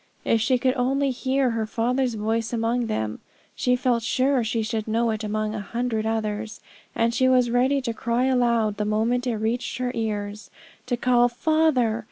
If she could only hear her father's voice among them! She felt sure she should know it among a hundred others, and she was ready to cry aloud the moment it reached her ears to call 'Father!'